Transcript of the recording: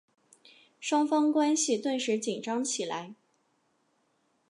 双方关系顿时紧张起来。